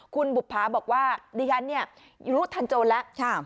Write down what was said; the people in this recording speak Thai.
คุณบุภาบอกว่าดิฉันเนี่ยรู้ทันโจรแล้ว